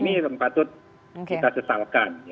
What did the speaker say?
ini yang patut kita sesalkan